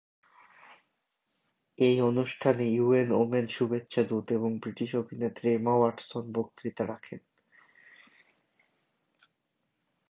এই অনুষ্ঠানে UN women শুভেচ্ছা দূত এবং ব্রিটিশ অভিনেত্রী এমা ওয়াটসন বক্তৃতা রাখেন।